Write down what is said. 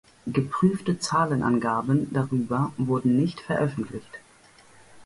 Geprüfte Zahlenangaben darüber wurden nicht veröffentlicht.